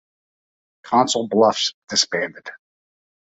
Council Bluffs disbanded.